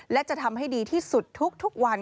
และจะทำให้ดีที่สุดทุกวัน